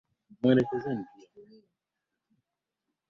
kusimama pale na pia kuipanua hiyo sheria